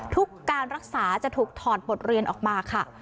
การรักษาจะถูกถอดบทเรียนออกมาค่ะ